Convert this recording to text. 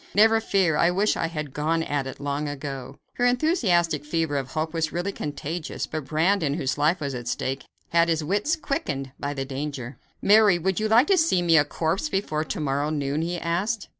Never fear! I wish I had gone at it long ago." Her enthusiastic fever of hope was really contagious, but Brandon, whose life was at stake, had his wits quickened by the danger. "Mary, would you like to see me a corpse before to morrow noon?" he asked.